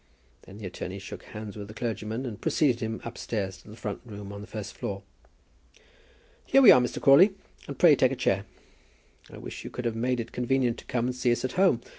Then the attorney shook hands with the clergyman and preceded him upstairs to the front room on the first floor. "Here we are, Mr. Crawley, and pray take a chair. I wish you could have made it convenient to come and see us at home.